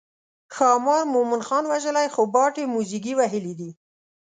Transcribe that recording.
ښامار مومن خان وژلی خو باټې موزیګي وهلي دي.